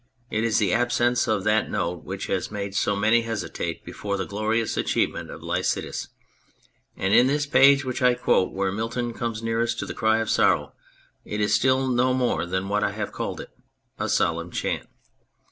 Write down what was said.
It is the absence of that note which has made so many hesitate before the glorious achievement of Lycidas, and in this passage which I quote, where Milton comes nearest to the cry of sorrow, it is still no more than what I have called it, a solemn chant.